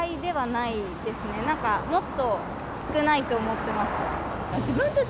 なんかもっと少ないと思ってました。